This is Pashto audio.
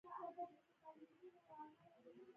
ایتیوپیایي متل وایي ډېره پوهه کمې خبرې کوي.